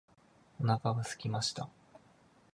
お腹が空きました。